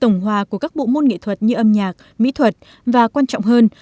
nếu ta không có tìm tòa giải pháp